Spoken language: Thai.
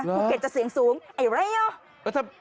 ภูเก็ตจะเสียงสูงไอ้ไรเหรอ